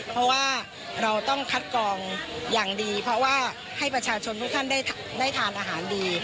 เพราะว่าเราต้องคัดกรองอย่างดีเพราะว่าให้ประชาชนทุกท่านได้ทานอาหารดี